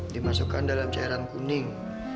dimasukkan dalam cairan kuning